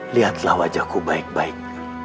lihatlah wajahku baik baik